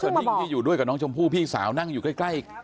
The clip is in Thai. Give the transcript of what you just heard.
แต่น้องเซอร์ติ้งที่อยู่ด้วยกับน้องชมพู่พี่สาวนั่งอยู่ใกล้